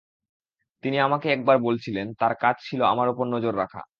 তিনি আমাকে একবার বলেছিলেন, তাঁর কাজ ছিল আমার ওপর নজর রাখা।